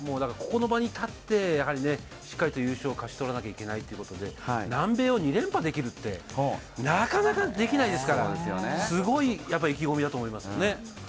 この場に立ってしっかりと優勝を勝ちとらないといけないということで、南米を２連覇できるってなかなかできないですから、すごい意気込みだと思います。